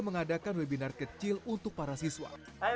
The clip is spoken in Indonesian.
mengadakan webinar kecil untuk para siswa